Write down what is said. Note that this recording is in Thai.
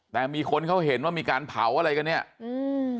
แต่มีคนเขาเห็นว่ามีการเผาอะไรกันเนี้ยอืม